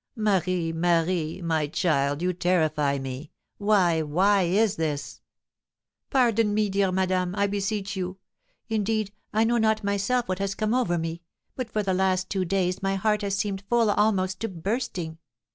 "Marie, Marie! my child, you terrify me; why, why is this?" "Pardon me, dear madame, I beseech you! Indeed, I know not myself what has come over me, but for the last two days my heart has seemed full almost to bursting.